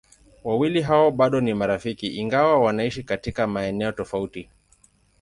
Wawili hao bado ni marafiki ingawa wanaishi katika maeneo tofauti.